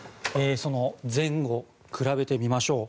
その前後、比べてみましょう。